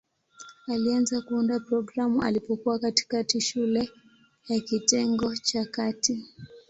Alianza kuunda programu alipokuwa katikati shule ya kitengo cha kati.